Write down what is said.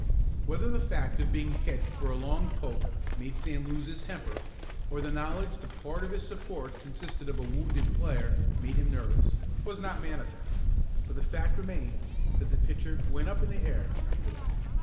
Whether the fact of being hit for a long poke made Sam lose his temper, or the knowledge that part of his support consisted of a wounded player made him nervous, was not manifest, but the fact remains that the pitcher "went up in the air" after that.